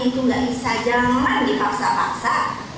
itu nggak bisa jalan dipaksa paksa